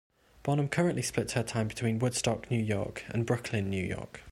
Bonham currently splits her time between Woodstock, New York, and Brooklyn, New York.